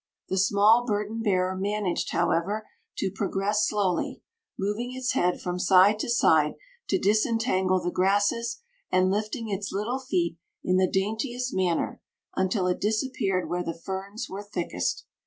The small burden bearer managed, however, to progress slowly, moving its head from side to side to disentangle the grasses and lifting its little feet in the daintiest manner, until it disappeared where the ferns were thickest.